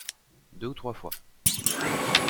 Deux ou trois fois.